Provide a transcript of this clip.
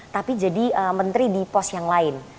tapi jadi menteri di pos yang lain